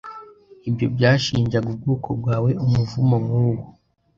Ibyo byashinjaga ubwoko bwawe umuvumo nk'uwo